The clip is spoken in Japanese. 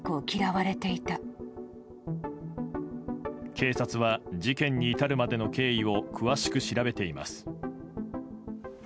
警察は事件に至るまでの経緯を詳しく調べています。